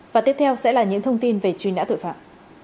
và tiếp theo sẽ là những thông tin về truy nã tội phạm